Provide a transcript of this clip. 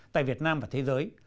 tại việt nam và thế giới